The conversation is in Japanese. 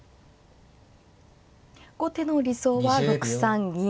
後手の理想は６三銀